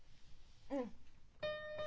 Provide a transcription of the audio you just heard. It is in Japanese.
うん。